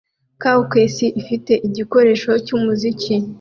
Caucase ifite igikoresho cyumuziki